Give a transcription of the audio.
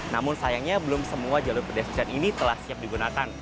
namun sayangnya belum semua jalur pedestrian ini telah siap digunakan